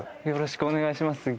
よろしくお願いします。